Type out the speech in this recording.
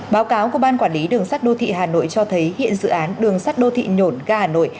báo cáo của ban quản lý đường sắt đô thị hà nội cho thấy hiện dự án đường sắt đô thị nhổn ga hà nội